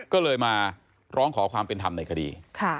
ก็เลยมาร้องขอความเป็นธรรมในคดี